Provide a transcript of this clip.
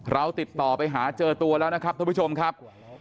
เราติดต่อไปหาเจอตัวแล้วนะครับท่านผู้ชมครับ